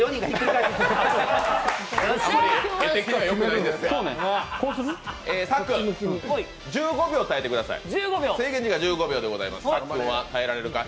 さっくん、１５秒耐えてください。